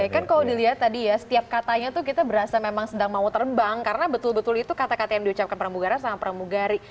dan kalau dilihat tadi ya setiap katanya tuh kita berasa memang sedang mau terbang karena betul betul itu kata kata yang diucapkan pramugara sama pramugari